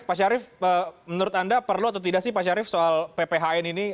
pak syarif menurut anda perlu atau tidak sih pak syarif soal pphn ini